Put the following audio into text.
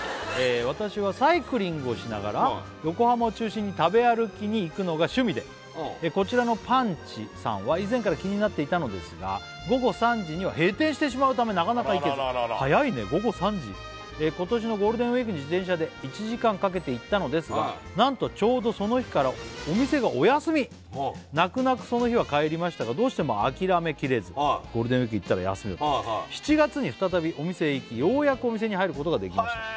私はサイクリングをしながら横浜を中心に食べ歩きに行くのが趣味でこちらのＰＵＮＣＨさんは以前から気になっていたのですが午後３時には閉店してしまうためなかなか行けずあららら早いね午後３時今年のゴールデンウイークに自転車で１時間かけて行ったのですがなんとちょうどその日からお店がお休み泣く泣くその日は帰りましたがどうしても諦めきれずゴールデンウイーク行ったら休みだったはいはい７月に再びお店へ行きようやくお店に入ることができました